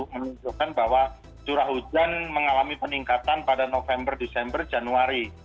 dua ribu dua puluh menunjukkan bahwa curah hujan mengalami peningkatan pada november desember januari